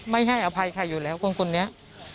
ไม่ให้อภัยใครอยู่แล้วคนนี้